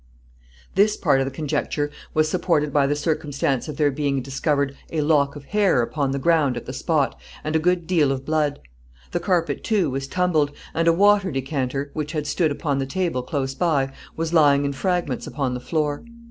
This part of the conjecture was supported by the circumstance of there being discovered a lock of hair upon the ground at the spot, and a good deal of blood. The carpet, too, was tumbled, and a water decanter, which had stood upon the table close by, was lying in fragments upon the floor.